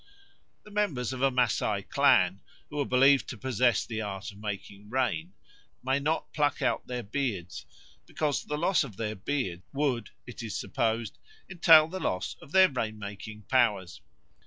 The members of a Masai clan, who are believed to possess the art of making rain, may not pluck out their beards, because the loss of their beards would, it is supposed, entail the loss of their rain making powers.